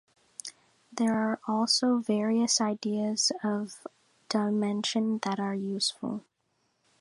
There are also various ideas of "dimension" that are useful.